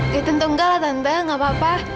ya tentu enggak lah tante gak apa apa